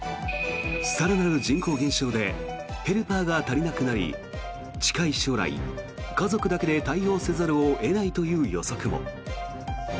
更なる人口減少でヘルパーが足りなくなり近い将来、家族だけで対応せざるを得ないという予測も。